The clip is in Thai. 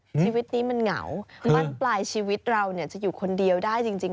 ชีวิตนี้มันเหงาบ้านปลายชีวิตเราจะอยู่คนเดียวได้จริง